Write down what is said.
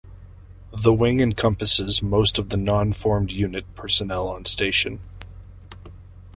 The wing encompasses most of the non-formed unit personnel on station.